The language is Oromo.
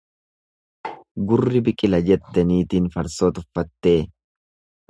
Gurri biqila jette nitiin farsoo tuffattee.